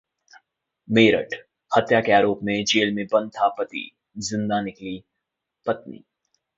मेरठः हत्या के आरोप में जेल में बंद था पति, जिंदा निकली पत्नी